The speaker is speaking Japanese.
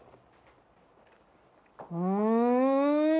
うん！